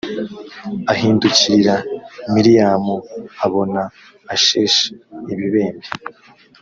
ahindukirira miriyamu abona asheshe ibibembe